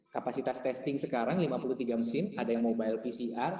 kapasitas testing sekarang lima puluh tiga mesin ada yang mobile pcr